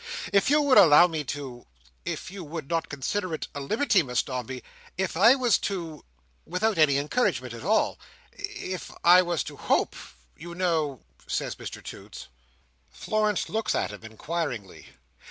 "If you would allow me to—if you would not consider it a liberty, Miss Dombey, if I was to—without any encouragement at all, if I was to hope, you know," says Mr Toots. Florence looks at him inquiringly.